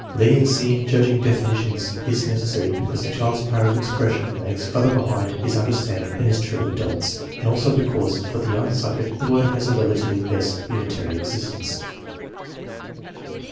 Leniency in judging definitions is necessary because the child's power of expression lags far ther behind his understanding than is true of adults, and also because for the young subject the word has a rela tively less unitary existence.